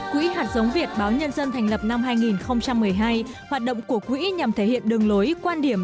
quỹ hạt giống việt báo nhân dân thành lập năm hai nghìn một mươi hai hoạt động của quỹ nhằm thể hiện đường lối quan điểm